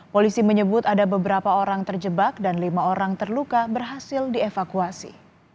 polisi menyebut ada beberapa orang terjebak dan lima orang terluka berhasil dievakuasi